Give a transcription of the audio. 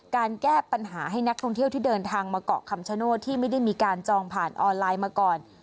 การแก้ปัญหาให้นักท่องเที่ยวที่เดินทางมาเกาะคำชโนธที่ไม่ได้มีการจองผ่านออนไลน์มาก่อน